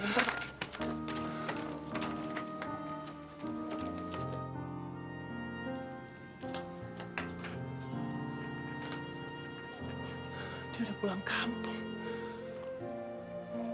dia udah pulang kampung